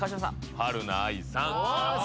はるな愛さん